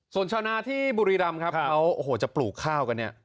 ส่วนชาวนาที่บุรีรำครับเขาโอ้โหจะปลูกข้าวกันเนี่ย